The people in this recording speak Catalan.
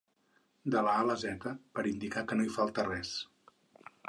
«de la a a la zeta» per indicar que no hi falta res.